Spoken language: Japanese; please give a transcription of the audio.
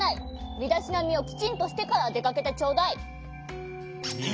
みだしなみをきちんとしてからでかけてちょうだい。